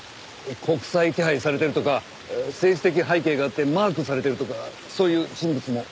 国際手配されてるとか政治的背景があってマークされてるとかそういう人物も？